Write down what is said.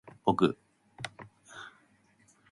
ぼく